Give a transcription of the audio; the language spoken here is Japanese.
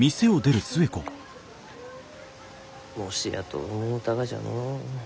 もしやと思うたがじゃのう。